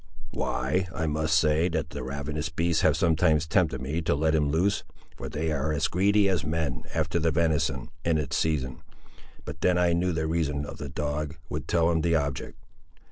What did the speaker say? "Why, I must say, that the ravenous beasts have sometimes tempted me to let him loose, for they are as greedy as men, after the venison, in its season; but then I knew the reason of the dog, would tell him the object!